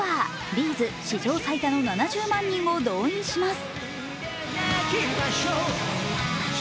Ｂ’ｚ史上最多の７０万人を動員します。